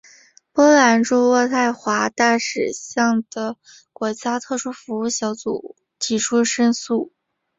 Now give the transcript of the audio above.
波兰驻渥太华大使向的国家特殊服务小组提出申诉。